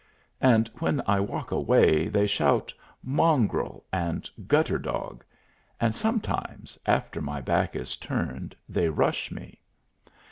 And when I walk away they shout "Mongrel!" and "Gutter dog!" and sometimes, after my back is turned, they rush me.